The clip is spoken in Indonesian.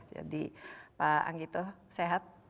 jadi pak anggito sehat